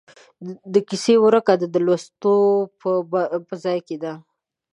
د کیسې ورکه د لوست په ځای کې ده.